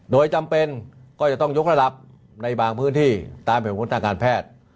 โดยจำเป็นก็จะต้องยกระดับในบางพื้นที่ตามเหตุผลทางการแพทย์